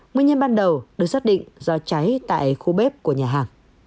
nguyên nhân ban đầu được xác định do cháy tại khu bếp của nhà hàng